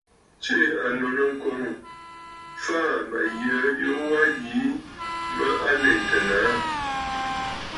Tsiʼì ànnù nɨ̂ŋkoŋ, faà mə̀ yə yu wa yìi mə lèntə nàâ.